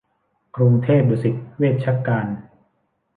กรุงเทพดุสิตเวชการ